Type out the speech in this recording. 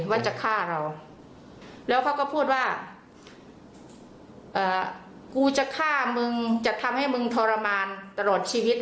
ว่าจะฆ่าเราแล้วเขาก็พูดว่ากูจะฆ่ามึงจะทำให้มึงทรมานตลอดชีวิต